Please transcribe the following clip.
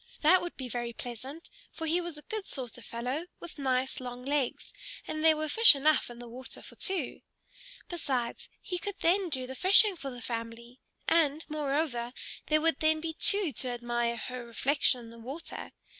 That would be very pleasant, for he was a good sort of fellow with nice long legs; and there were fish enough in the water for two. Besides, he could then do the fishing for the family; and, moreover, there would then be two to admire her reflection in the water.